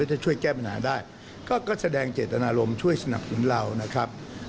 ถ้าช่วยแก้ปัญหาได้ก็แสดงเจตนารมณ์ช่วยสนับสนุนเรานะครับ